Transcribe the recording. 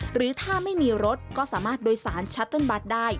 หรือถ้าไม่มีรถก็สามารถโดยสารชัตเติ้ลบัตรได้